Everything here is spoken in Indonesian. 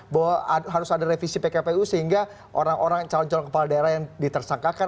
bahwa harus ada revisi pkpu sehingga orang orang calon calon kepala daerah yang ditersangkakan